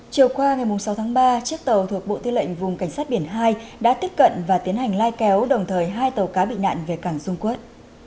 chiều qua ngày sáu tháng ba chiếc tàu thuộc bộ tư lệnh vùng cảnh sát biển hai đã tiếp cận và tiến hành lai kéo đồng thời hai tàu cá bị nạn về cảng dung quốc